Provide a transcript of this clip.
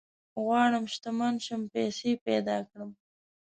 غواړم شتمن شم ، پيسي پيدا کړم